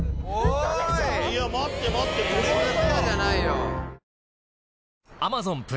いや待って待ってこれはさ